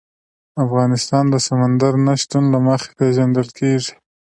افغانستان د سمندر نه شتون له مخې پېژندل کېږي.